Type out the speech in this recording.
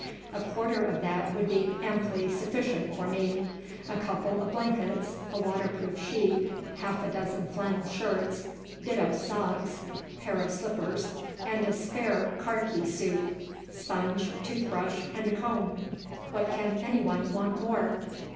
A quarter of that would be amply sufficient for me. A couple of blankets, a waterproof sheet, half a dozen flannel shirts, ditto socks, pair of slippers, and a spare karkee suit; sponge, tooth brush, and a comb. What can anyone want more?"